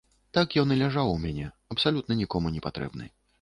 Так ён і ляжаў у мяне, абсалютна нікому не патрэбны.